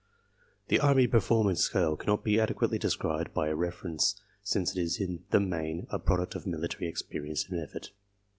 The army performance scale cannot be adequately described by reference since it is in the main a product of miUtary expe rience and effort.